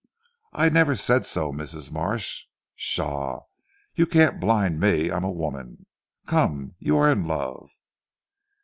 "I never said so Mrs. Marsh." "Pshaw! You can't blind me. I am a woman. Come. You are in love."